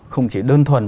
không chỉ đơn thuần